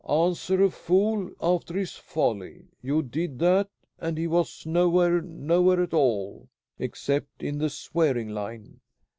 Answer a fool after his folly. You did that, and he was nowhere; nowhere at all, except in the swearing line.